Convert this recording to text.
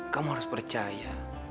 kamu harus percaya